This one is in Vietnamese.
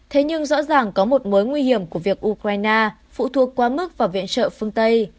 thế nhưng rõ ràng có một mối nguy hiểm của việc ukraine phụ thuộc quá mức vào viện trợ phương tây